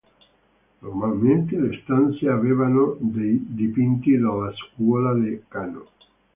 Normalmente le stanze avevano dei dipinti della scuola di Kano.